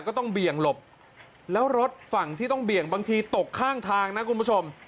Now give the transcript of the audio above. เบี่ยงหลบแล้วรถฝั่งที่ต้องเบี่ยงบางทีตกข้างทางนะคุณผู้ชม